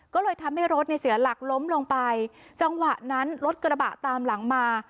ก็เลยทำให้รถเนี่ยเสียหลักล้มลงไปจังหวะนั้นรถกระบะตามหลังมา